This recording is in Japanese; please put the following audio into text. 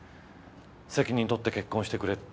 責任取って結婚してくれって。